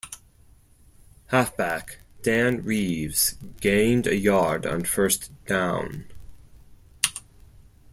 Halfback Dan Reeves gained a yard on first down.